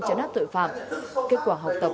chấn áp tội phạm kết quả học tập